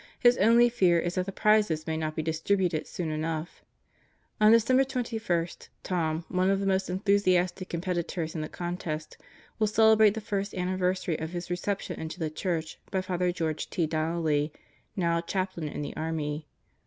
His only fear is that the prizes may not be dis tributed soon enough. On December 21, Tom, one of the most enthusiastic competitors in the Contest, will celebrate the first anniversary of his reception into the Church by Father George T. Donnelly, now a chaplain in the army.